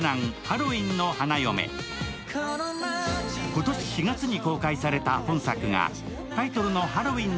今年４月に公開された本作が、タイトルの「ハロウィン」